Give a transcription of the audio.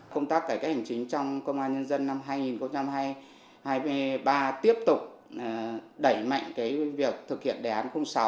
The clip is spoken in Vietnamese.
công tác cải cách hành chính trong công an nhân dân năm hai nghìn hai mươi ba tiếp tục đẩy mạnh việc thực hiện đề án sáu